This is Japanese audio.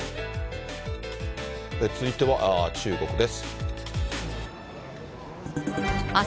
続いては中国です。